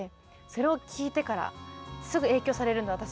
それを聞いてからすぐ影響されるんで私。